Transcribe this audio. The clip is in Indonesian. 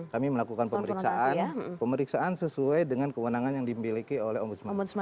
kami melakukan pemeriksaan sesuai dengan kewenangan yang dimiliki oleh ombudsman